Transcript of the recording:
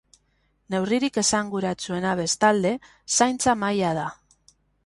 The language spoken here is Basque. Neurririk esanguratsuena, bestalde, zaintza mahaia da.